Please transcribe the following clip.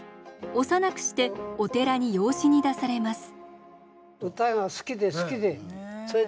幼くしてお寺に養子に出されます。